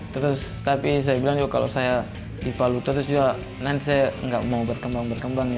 tapi saya bilang kalau saya di palu terus juga nanti saya gak mau berkembang berkembang